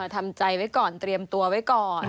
ทำใจไว้ก่อนเตรียมตัวไว้ก่อน